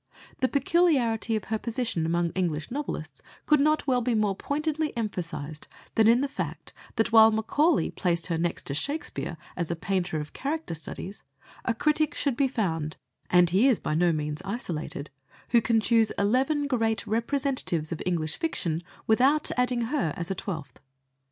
The peculiarity of her position among English novelists could not well be more pointedly emphasized than in the fact that while Macaulay placed her next to Shakespeare as a painter of character studies, a critic should be found and he is by no means isolated who can choose eleven great representatives of English fiction without adding her as a twelfth.